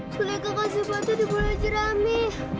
sulika kasih batu di bola jerami